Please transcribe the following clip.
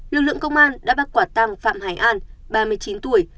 lực lượng công an đã bắt quả tăng phạm hải an ba mươi chín tuổi